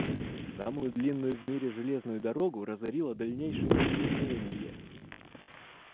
Самую длинную в мире железную дорогу разорило дальнейшее удлинение.